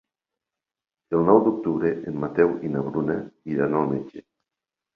El nou d'octubre en Mateu i na Bruna iran al metge.